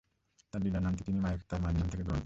তার "লীলা" নামটি তিনি তার মায়ের নাম থেকে গ্রহণ করেন।